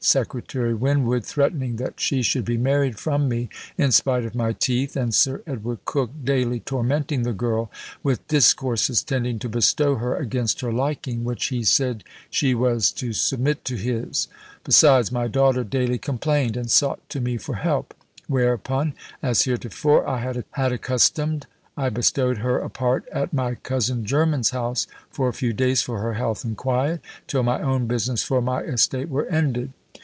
Secretary Winwood threatening that she should be married from me in spite of my teeth, and Sir Edward Cook dayly tormenting the girl with discourses tending to bestow her against her liking, which he said she was to submit to his; besides, my daughter daily complained, and sought to me for help; whereupon, as heretofore I had accustomed, I bestowed her apart at my cousin german's house for a few days, for her health and quiet, till my own business for my estate were ended.